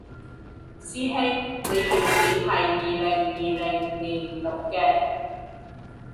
師兄你條片係二零二零年錄嘅？